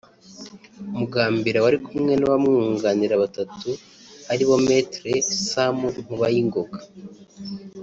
Mugambira wari kumwe n’abamwunganira batatu ari bo Me Sam Nkubayingoga